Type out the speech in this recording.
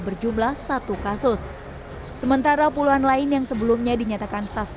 berjumlah satu kasus sementara puluhan lain yang sebelumnya dinyatakan satu kasus yang